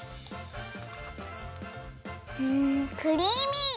うんクリーミー！